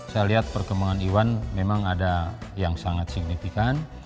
saya lihat perkembangan iwan memang ada yang sangat signifikan